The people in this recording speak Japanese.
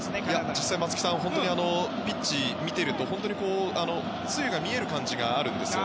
実際松木さん、ピッチを見てると本当に粒が見えるぐらいなんですよね。